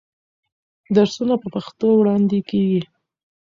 درسونه په پښتو وړاندې کېږي.